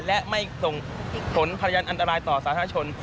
และไม่ส่งผลพยานอันตรายต่อสาธารณชน